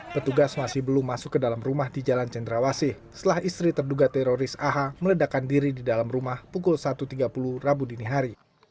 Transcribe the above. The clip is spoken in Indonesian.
petugas masih belum masuk ke dalam rumah di jalan cendrawasih setelah istri terduga teroris aha meledakan diri di dalam rumah pukul satu tiga puluh rabu dini hari